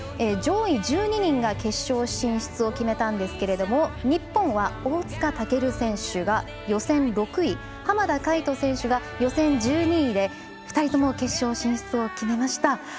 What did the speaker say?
上位１２人が決勝進出を決めたんですけれども日本は、大塚健選手が予選６位浜田海人選手が予選１２位で２人とも決勝進出を決めました。